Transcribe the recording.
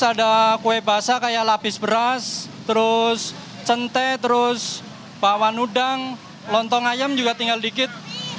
terus ada kue basah kayak lapis beras terus cente terus bakwan udang lontong ayam juga tinggal dikit